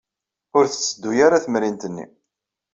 Ur tetteddu ara temrint-nni.